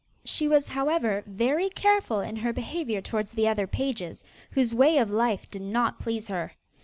She was, however, very careful in her behaviour towards the other pages, whose way of life did not please her.